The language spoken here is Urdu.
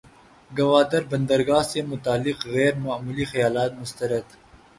گوادر بندرگاہ سے متعلق غیر معمولی خیالات مسترد